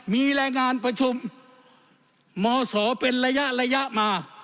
มีแรงงานประชุมมศเป็นระยะมา